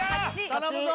頼むぞ！